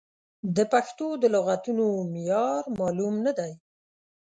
د پښتو د لغتونو معیار معلوم نه دی.